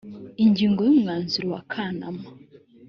ingingo ya umwanzuro w akanama